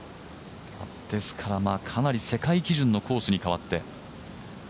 ですから、かなり世界基準のコースに変わって。